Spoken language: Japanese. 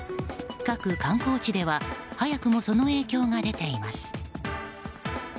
各観光地では早くもその影響が出ています。